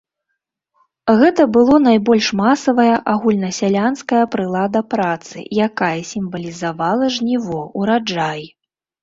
Гэта было найбольш масавая агульнасялянская прылада працы, якая сімвалізавала жніво, ураджай.